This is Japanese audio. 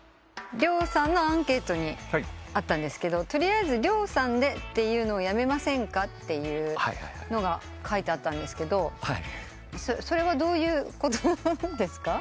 ＲＹＯさんのアンケートにあったんですけど「取りあえずＲＹＯさんでというのをやめませんか」というのが書いてあったんですけどそれはどういうことですか？